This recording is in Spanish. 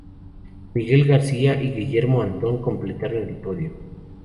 Miguel García y Guillermo Antón completaron el podio.